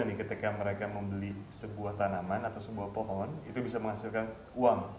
apakah yang akan mereka lakukan ketika membeli tanaman atau pohon yang dapat menghasilkan uang